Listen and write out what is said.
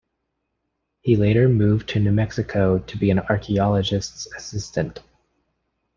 He later moved to New Mexico to be an archeologist's assistant.